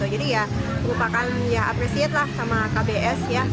jadi ya rupakan ya apresiat lah sama kbs ya